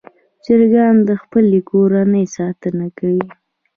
چرګان د خپلې کورنۍ ساتنه کوي.